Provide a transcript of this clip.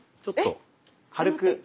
ちょっと軽く。